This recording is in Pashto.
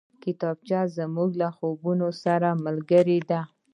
کتابچه زموږ له خوبونو سره ملګرې ده